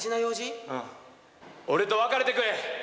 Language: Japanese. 俺と別れてくれ！